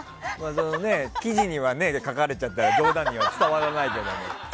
記事には書かれちゃったら冗談には伝わらないと思うけど。